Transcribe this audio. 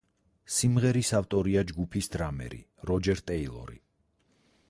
სიმღერის ავტორია ჯგუფის დრამერი როჯერ ტეილორი.